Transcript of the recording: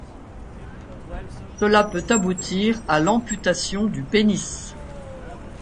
Cela peut aboutir à l'amputation du pénis.